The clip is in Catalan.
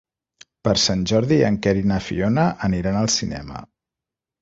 Per Sant Jordi en Quer i na Fiona aniran al cinema.